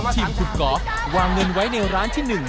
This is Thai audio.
ที่คุณก๊อฟวางเงินไว้ในร้านที่หนึ่ง